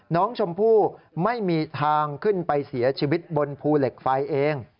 น้องชมพู่ไม่มีทางขึ้นไปเสียชีวิตบนภูเหล็กไฟเอง